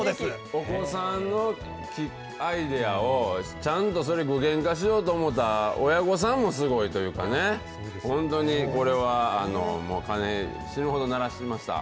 お子さんのアイデアを、ちゃんとそれ、具現化しようと思った親御さんもすごいというかね、本当に、これは、もう鐘、死ぬほど鳴らしました。